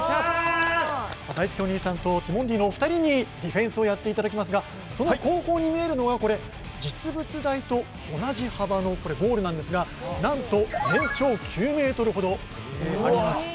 だいすけお兄さんとティモンディのお二人にディフェンスをやっていただきますがその後方に見えるのがこれ、実物大と同じ幅のゴールなんですが、なんと全長９ｍほどあります。